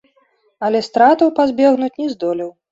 Але стратаў пазбегнуць не здолеў.